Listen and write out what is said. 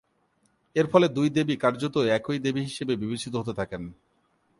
এর ফলে দুই দেবী কার্যত একই দেবী হিসেবে বিবেচিত হতে থাকেন।